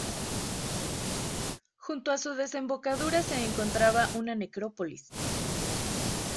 Junto a su desembocadura se encontraba una necrópolis